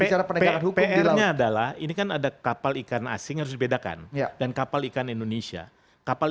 jadi pr nya adalah ini kan ada kapal ikan asing yang dibedakan dan kapal ikan indonesia kapal